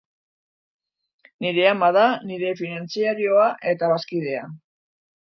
Nire ama da nire finantzarioa eta bazkidea.